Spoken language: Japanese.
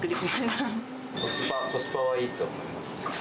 コスパはいいと思います。